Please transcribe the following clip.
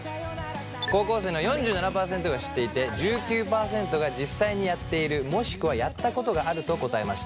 高校生の４７％が知っていて１９％が実際にやっているもしくはやったことがあると答えました。